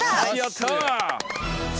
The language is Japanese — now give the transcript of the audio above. やった！